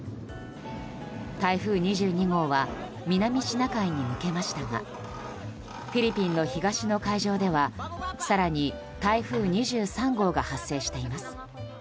台風２２号は南シナ海に抜けましたがフィリピンの東の海上では更に台風２３号が発生しています。